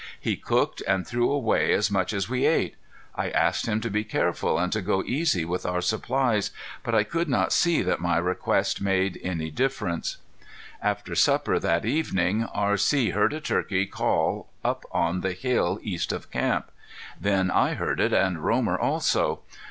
He cooked and threw away as much as we ate. I asked him to be careful and to go easy with our supplies, but I could not see that my request made any difference. After supper this evening R.C. heard a turkey call up on the hill east of camp. Then I heard it, and Romer also.